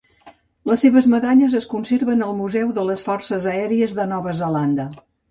Les seves medalles es conserven al Museu de les Forces Aèries de Nova Zelanda.